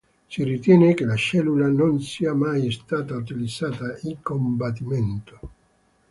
Si ritiene che la cellula non sia mai stata utilizzata in combattimento.